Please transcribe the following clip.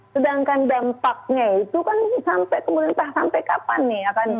sedangkan dampaknya itu kan sampai kemudian entah sampai kapan nih